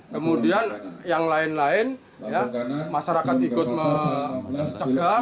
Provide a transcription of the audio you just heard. kemudian yang lain lain masyarakat ikut mencegah